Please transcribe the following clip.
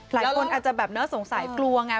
หลายคนอาจจะแบบเนื้อสงสัยกลัวไง